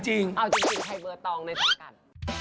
จริงใครเบื้อตองในช่วงฉัน